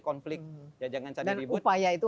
konflik ya jangan cari ribut dan upaya itu